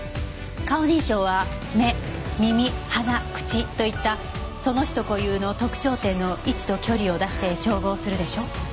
顔認証は目耳鼻口といったその人固有の特徴点の位置と距離を出して照合するでしょ？